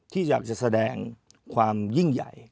ที่อยากจะแสดงความยิ่งใหญ่